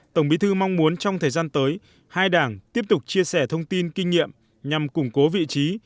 tổng bí thư mong muốn trong thời gian tới hai đảng tiếp tục chia sẻ thông tin kinh nghiệm nhằm củng cố vị trí